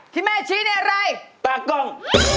ที่แม่ชี้ในอะไรตากล้อง